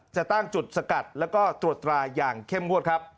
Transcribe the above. จะตั้งจุดสกัดและตรวจราย่างเข้มงวด